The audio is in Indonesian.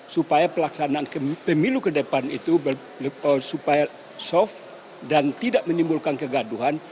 supaya pelaksanaan pemilu ke depan itu supaya soft dan tidak menimbulkan kegaduhan